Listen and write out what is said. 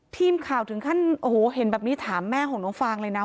ทีมข่าวถึงขั้นโอ้โหเห็นแบบนี้ถามแม่ของน้องฟางเลยนะ